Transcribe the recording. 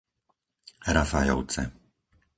Rafajovce